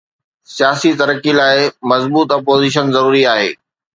سياسي ترقي لاءِ مضبوط اپوزيشن ضروري آهي.